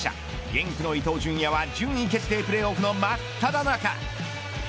ゲンクの伊東純也は順位決定プレーオフのまっただ中。